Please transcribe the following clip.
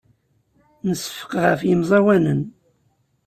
Nseffeq ɣef yemẓawanen.